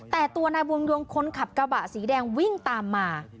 แต่ตัวนายวงดวงคนขับกระบะสีแดงวิ่งตามมา